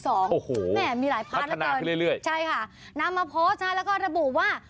โอ้โหพัฒนาขึ้นเรื่อยใช่ค่ะนำมาโพสต์นะแล้วก็ระบุว่า